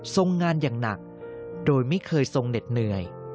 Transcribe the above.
ทรงงานอย่างหนักโดยไม่เคยทรงเหน็ดเหนื่อย